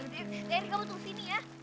teri kamu tunggu sini ya